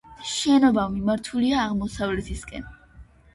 შენობა მიმართულია აღმოსავლეთისკენ.